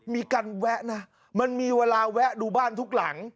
มีการแวะนะมันมีเวลาแวะดูบ้านทุกหลัง